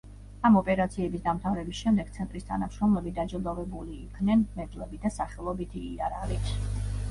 ამ ოპერაციების დამთავრების შემდეგ ცენტრის თანამშრომლები დაჯილდოვებული იქნენ მედლებით და სახელობითი იარაღით.